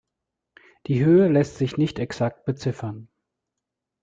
Die Höhe lässt sich nicht exakt beziffern.